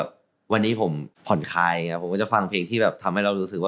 ใช่ก็ผมฟังเพลง